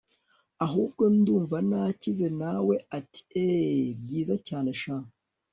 ahubwo ndumva nakize! nawe ati eeeh! byiza cyane sha